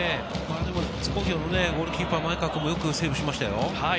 津工業のゴールキーパー・前川君もよくセーブしましたよ。